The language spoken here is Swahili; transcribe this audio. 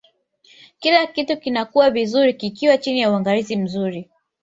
kila kitu kinakuwa vizuri kikiwa chini ya uangalizi mzuri